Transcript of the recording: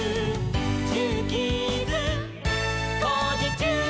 「ジューキーズ」「こうじちゅう！」